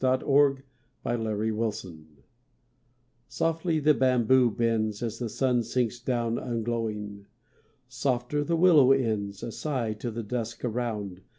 DUSK AT HIROSHIMA Softly the bamboo bends As the sun sinks down unglowing, Softer the willow ends A sigh to the dusk around.